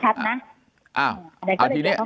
ไหนต้องเอาให้ชัดชัดนะ